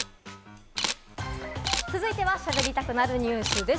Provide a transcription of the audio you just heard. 続いては、しゃべりたくなるニュスです。